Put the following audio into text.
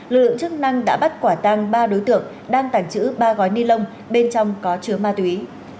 lực lượng chức năng đã bắt quả tăng ba đối tượng đang tàng trữ ba gói ni lông bên trong có chứa ma túy